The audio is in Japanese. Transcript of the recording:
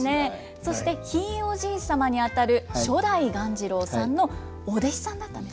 そしてひいおじいさまにあたる初代鴈治郎さんのお弟子さんだったんですね。